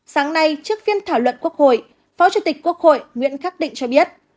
sáng nay trước phiên thảo luận quốc hội phó chủ tịch quốc hội nguyễn khắc định cho biết